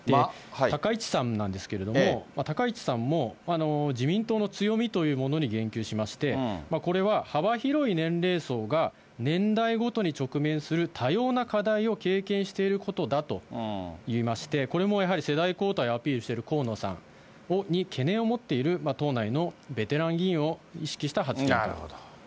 高市さんなんですけれども、高市さんも自民党の強みというものに言及しまして、これは幅広い年齢層が年代ごとに直面する多様な課題を経験していることだといいまして、これもやはり世代交代をアピールしている河野さんに懸念を持っている党内のベテラン議員を意識した発言と。